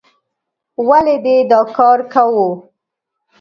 ولې دې دا کار کوو؟